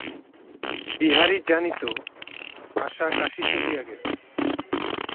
বিহারী জানিত, আশা কাশী চলিয়া গেছে।